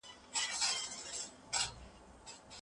تخنيکي تجهيزات زموږ د صنعت لپاره نه سي برابريدای.